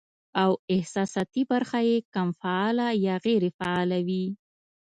او احساساتي برخه ئې کم فعاله يا غېر فعاله وي